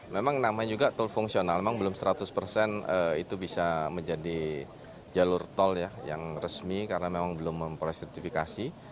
memang namanya juga tol fungsional memang belum seratus persen itu bisa menjadi jalur tol ya yang resmi karena memang belum mempersertifikasi